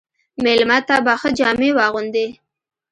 مېلمه ته به ښه جامې واغوندې.